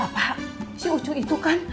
pak si ucuy itu kan